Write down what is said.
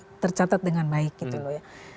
itu tercatat dengan baik gitu loh ya